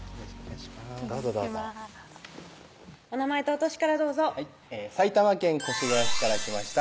どうぞどうぞお名前とお歳からどうぞはい埼玉県越谷市から来ました